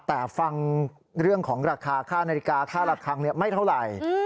แต่ฟังเรื่องของราคาค่านาฬิกาค่าระคังไม่เท่าไหร่